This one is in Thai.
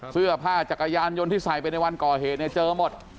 เสื้อผ้าจักรยานยนต์ที่ใส่ไปในวันก่อเหตุเนี่ยเจอหมด